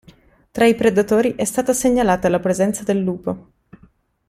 Tra i predatori, è stata segnalata la presenza del lupo.